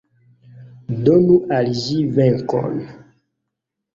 Donu al ĝi venkon!